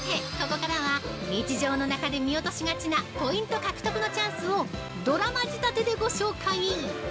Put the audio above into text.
ここからは日常の中で見落としがちなポイント獲得のチャンスをドラマ仕立てでご紹介！